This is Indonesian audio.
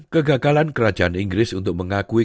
kegagalan kerajaan inggris untuk mengakui